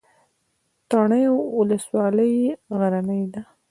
تڼیو ولسوالۍ غرنۍ ده؟